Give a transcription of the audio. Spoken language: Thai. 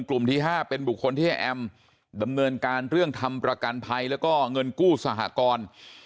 กลุ่มที่๕เป็นบุคคลที่ให้แอมดำเนินการเรื่องทำประกันภัยแล้วก็เงินกู้สหกร